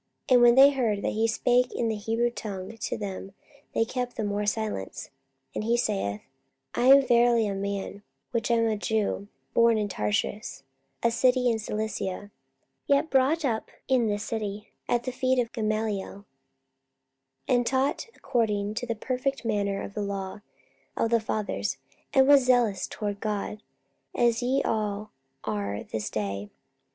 44:022:002 (And when they heard that he spake in the Hebrew tongue to them, they kept the more silence: and he saith,) 44:022:003 I am verily a man which am a Jew, born in Tarsus, a city in Cilicia, yet brought up in this city at the feet of Gamaliel, and taught according to the perfect manner of the law of the fathers, and was zealous toward God, as ye all are this day.